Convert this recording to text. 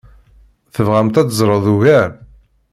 Tebɣamt ad teẓreḍ ugar?